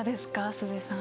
鈴井さん。